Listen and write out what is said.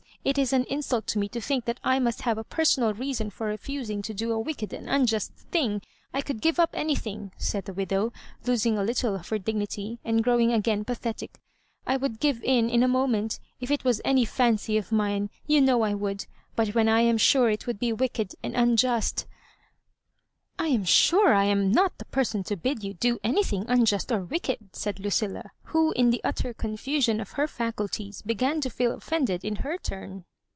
It is an insult to me to think that I must have a personal reason for refusing to do a wick ed and unjust thing. I could give up anything," said the widow, losing a little of her dignity, and growing again pathetic. " I would give in in a moment if it was any fancy of mine — ^you know I would ; but when I am sure it would be wicked and unjust '*" I am sure I am not the person to bid you do anything unjust or wicked," said Lucilla, who^ in the utter confusion of her faculties, began to feel offended in her turn.